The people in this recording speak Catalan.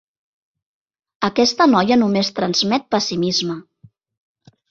Aquesta noia només transmet pessimisme.